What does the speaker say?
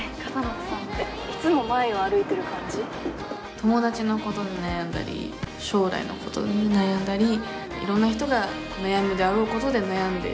友達のことで悩んだり将来のことで悩んだりいろんな人が悩むであろうことで悩んでいる。